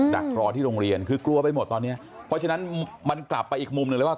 ดักรอที่โรงเรียนคือกลัวไปหมดตอนนี้เพราะฉะนั้นมันกลับไปอีกมุมหนึ่งเลยว่า